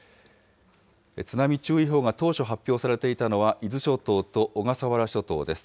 津波注意報が当初発表されていたのは、伊豆諸島と小笠原諸島です。